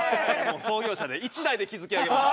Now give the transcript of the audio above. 創業者で一代で築き上げました。